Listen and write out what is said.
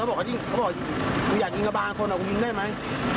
เขาบอกก็บอกคิดกูอยากกินกับบาลคนอ่ะกูยินได้มั้ย